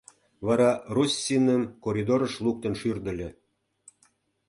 Вара Руссиным коридорыш луктын шӱрдыльӧ: